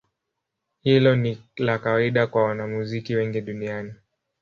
Hilo ni la kawaida kwa wanamuziki wengi duniani.